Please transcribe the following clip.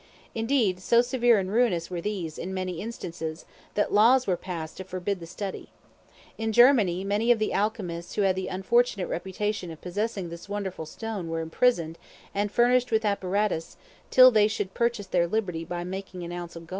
Indeed, so severe and ruinous were these, in many instances, that laws were passed to forbid the study. In Germany, many of the alchemists who had the unfortunate reputation of possessing this wonderful stone were imprisoned and furnished with apparatus till they should purchase their liberty by making an ounce of gold.